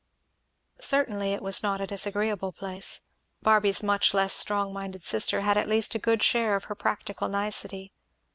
Certainly it was not a disagreeable place. Barby's much less strong minded sister had at least a good share of her practical nicety.